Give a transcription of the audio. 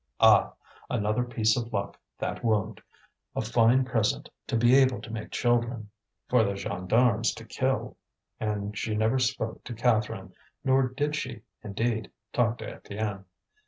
Ah! another piece of luck, that wound! A fine present, to be able to make children for the gendarmes to kill; and she never spoke to Catherine, nor did she, indeed, talk to Étienne.